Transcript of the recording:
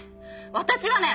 私はね